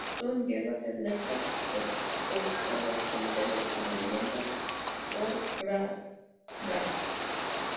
Son hierbas erectas o postradas; con pelos amarillentos o glabras.